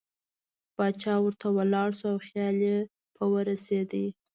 باچا ورته ولاړ شو او خیال یې په ورسېد.